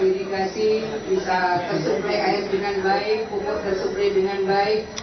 bisa tersebut dengan baik kubur tersebut dengan baik